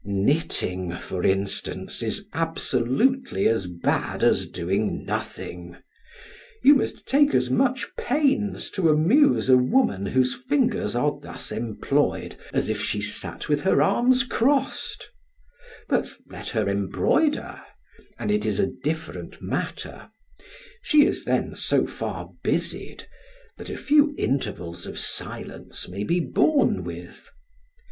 Knitting, for instance, is absolutely as bad as doing nothing; you must take as much pains to amuse a woman whose fingers are thus employed, as if she sat with her arms crossed; but let her embroider, and it is a different matter; she is then so far busied, that a few intervals of silence may be borne with.